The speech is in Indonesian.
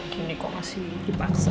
gak jadi kok masih dipaksa